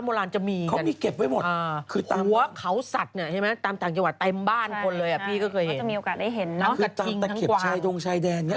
ก็อย่างที่บอกว่าเมื่อก่อนหาช้างเนี่ยมันมีขายทั่วไปเลย